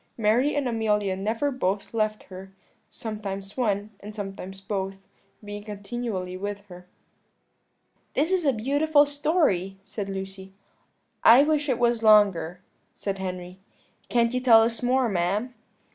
Mary and Amelia never both left her; sometimes one, and sometimes both, being continually with her." "This is a beautiful story," said Lucy. "I wish it was longer," said Henry; "can't you tell us more, ma'am?"